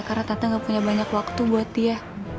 karena tante gak punya banyak waktu buat dia